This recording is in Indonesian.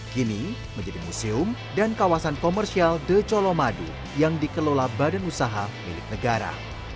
kini menjadi museum dan kawasan komersial the colomadu yang dikelola badan usaha milik negara